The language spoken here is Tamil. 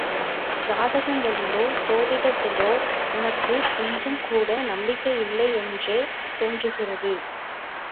ஜாதகங்களிலோ சோதிடத்திலோ உனக்குக் கொஞ்சம்கூட நம்பிக்கையில்லையென்றே தோன்றுகிறது.